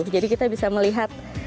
jadi kita bisa melihat